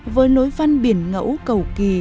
với nối văn biển ngẫu cầu kỳ